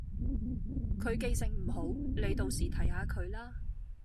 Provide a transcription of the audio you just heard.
佢記性唔好，你到時提下佢啦